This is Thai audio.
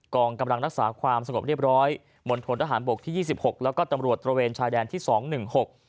องกำลังรักษาความสงบเรียบร้อยมณฑนทหารบกที่ยี่สิบหกแล้วก็ตำรวจตระเวนชายแดนที่สองหนึ่งหก